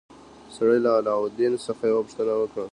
سړي له علاوالدین څخه یوه پوښتنه وکړه.